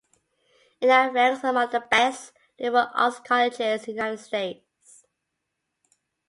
It now ranks among the best liberal arts colleges in the United States.